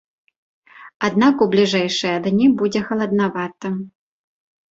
Аднак у бліжэйшыя дні будзе халаднавата.